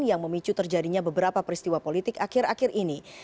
yang memicu terjadinya beberapa peristiwa politik akhir akhir ini